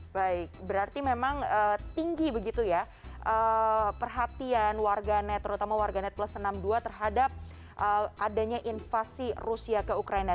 baik berarti memang tinggi begitu ya perhatian warganet terutama warganet plus enam puluh dua terhadap adanya invasi rusia ke ukraina